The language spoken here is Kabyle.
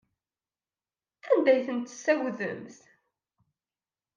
Anda ay tent-tessagdemt?